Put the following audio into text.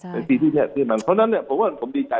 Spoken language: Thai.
ในปีที่แรกที่นั้นเพราะฉะนั้นผมก็ดีใจ